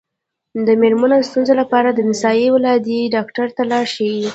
د میرمنو د ستونزو لپاره د نسایي ولادي ډاکټر ته لاړ شئ